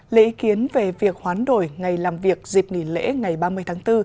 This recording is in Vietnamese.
lễ ý kiến về việc hoán đổi ngày làm việc dịp nghỉ lễ ngày ba mươi tháng bốn